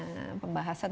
masalah yang terjadi